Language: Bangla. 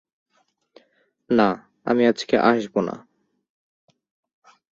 না, আমি আজকে আসবো না।